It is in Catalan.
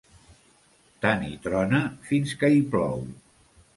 Tant hi trona fins que hi plou.